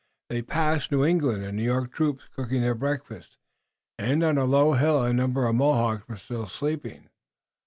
They passed New England and New York troops cooking their breakfast, and on a low hill a number of Mohawks were still sleeping.